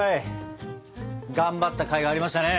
頑張ったかいありましたね！